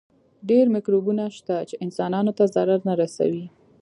ډېر مکروبونه شته چې انسانانو ته ضرر نه رسوي.